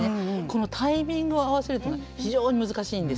このタイミングを合わせるというのは非常に難しいんですよ。